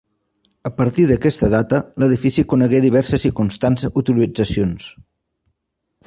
A partir d'aquesta data l'edifici conegué diverses i constants utilitzacions.